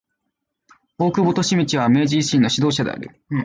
大久保利通は明治維新の指導者である。